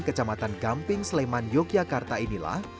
kecamatan gamping sleman yogyakarta inilah